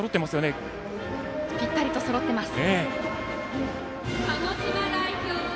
ぴったりとそろっています。